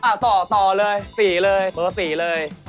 ต่อต่อเลย๔เลยเบอร์๔เลย